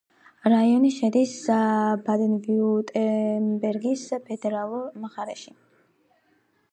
რაიონი შედის ბადენ-ვიურტემბერგის ფედერალურ მხარეში.